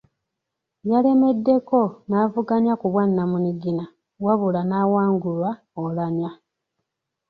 Yalemeddeko n’avuganya ku bwannamunigina wabula n’awangulwa Oulanyah.